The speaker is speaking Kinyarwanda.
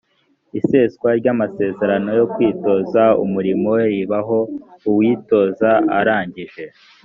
iseswa ry’amasezerano yo kwitoza umurimo ribaho uwitoza arangije